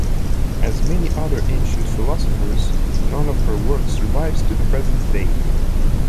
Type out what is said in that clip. As many other ancient philosophers, none of her work survives to the present day.